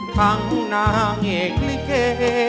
ทั้งนางเอกลิเก